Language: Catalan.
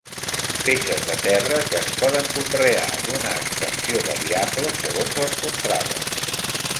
Peces de terra que es poden conrear, d'una extensió variable segons les contrades.